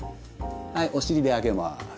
はいお尻で上げます。